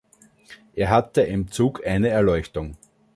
Er hatte im Zug eine Erleuchtung.